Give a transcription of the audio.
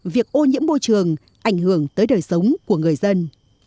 việc ô nhiễm môi trường ảnh hưởng tới đời sống của người dân